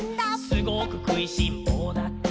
「すごくくいしんぼうだって」